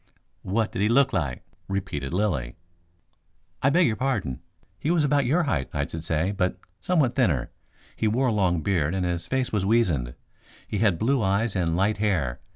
"What did he look like?" repeated Lilly. "I beg your pardon. He was about your height, I should say, but somewhat thinner. He wore a long beard and his face was weazened. He had blue eyes and light hair.